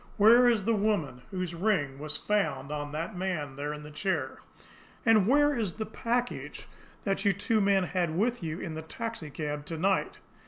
"Where is the woman whose ring was found on that man there in the chair? And where is the package that you two men had with you in the taxicab to night?"